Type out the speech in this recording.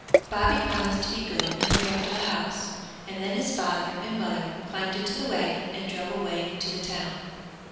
Bobby promised to be good and look after the house, and then his father and mother climbed into the wagon and drove away to the town.